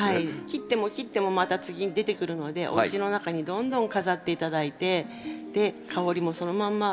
切っても切ってもまた次出てくるのでおうちの中にどんどん飾って頂いてで香りもそのまんま